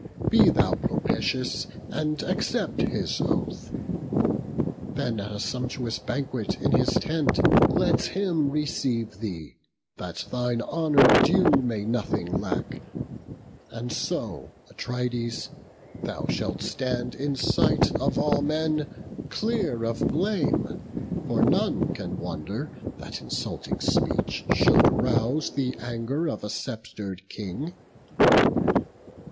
Be thou propitious, and accept his oath. Then at a sumptuous banquet in his tent Let him receive thee; that thine honour due May nothing lack; and so, Atrides, thou Shalt stand in sight of all men clear of blame; For none can wonder that insulting speech Should rouse the anger of a sceptred King."